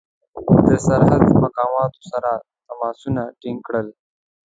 د سرحد مقاماتو سره تماسونه ټینګ کړل.